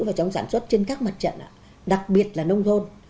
vào trong sản xuất trên các mặt trận đặc biệt là nông thôn